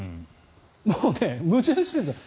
もうね矛盾してるんです。